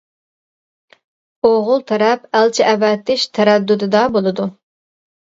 ئوغۇل تەرەپ ئەلچى ئەۋەتىش تەرەددۇتىدا بولىدۇ.